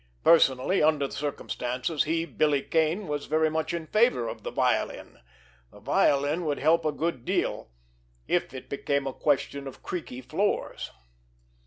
Personally, under the circumstances, he, Billy Kane, was very much in favor of the violin. The violin would help a good deal—if it became a question of creaky floors!